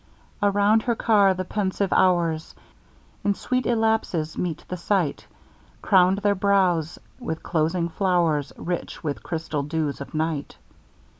Around her car the pensive Hours, In sweet illapses meet the sight, Crown'd their brows with closing flow'rs Rich with chrystal dews of night.